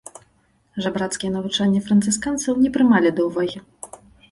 Жабрацкія навучанні францысканцаў не прымалі да ўвагі.